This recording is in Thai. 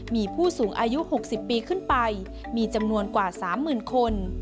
มีผู้สูงอายุ๖๐ปีขึ้นไปมีจำนวนกว่า๓๐๐๐คน